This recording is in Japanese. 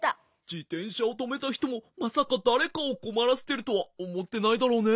じてんしゃをとめたひともまさかだれかをこまらせてるとはおもってないだろうね。